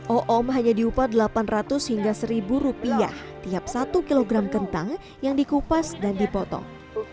oom hanya diupas rp delapan ratus rp satu tiap satu kg kentang yang dikupas dan dipotong